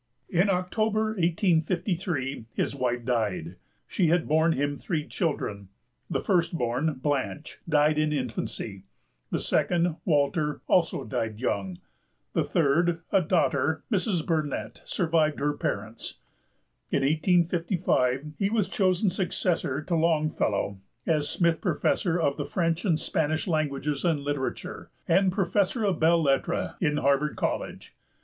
In October, 1853, his wife died; she had borne him three children: the first born, Blanche, died in infancy; the second, Walter, also died young; the third, a daughter, Mrs. Burnett, survived her parents. In 1855 he was chosen successor to Longfellow as Smith Professor of the French and Spanish Languages and Literature, and Professor of Belles Lettres in Harvard College.